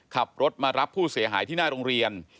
ขับรถมารับผู้เสียหายที่หน้าโรงเรียน